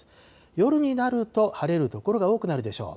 夜になると、晴れる所が多くなるでしょう。